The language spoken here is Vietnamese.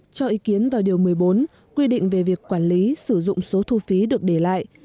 cho ý kiến vào điều một mươi bốn quy định về việc quản lý sử dụng số thu phí được để lại